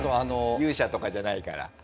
勇者とかじゃないから。